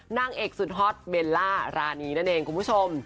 นางเอกสุทธอดเบลล่าราณีนั่นเองกลุ่มผู้ชม